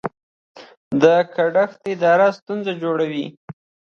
دا ګډښت اداري ستونزې جوړوي.